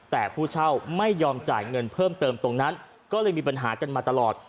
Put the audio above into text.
แต่ผู้เช่าไม่ยอมจ่ายเงินเพิ่มเติมตรงนั้นก็เลยมีปัญหากันมาตลอด